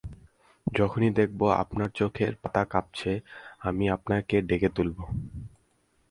যখনই দেখব আপনার চোখের পাতা কাঁপছে, আমি আপনাকে ডেকে তুলব।